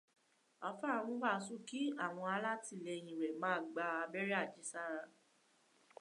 Àfáà ń wáàsù kí àwọn alátìlẹ́yìn rẹ̀ má gba abẹ́rẹ́ àjẹ́sára.